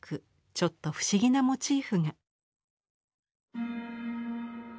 ちょっと不思議なモチーフが。